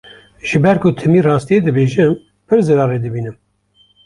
Ji ber ku timî rastiyê dibêjim pir zirarê dibînim.